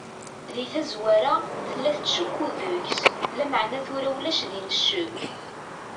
Di tazwara, tella tettcukku deg-s, lameɛna tura ulac din ccek.